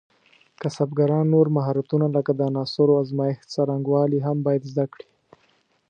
کسبګران نور مهارتونه لکه د عناصرو ازمېښت څرنګوالي هم باید زده کړي.